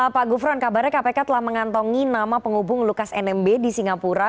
pak gufron kabarnya kpk telah mengantongi nama penghubung lukas nmb di singapura